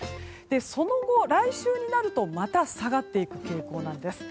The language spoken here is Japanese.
その後、来週になるとまた下がっていく傾向なんです。